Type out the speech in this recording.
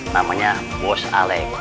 namanya bos alek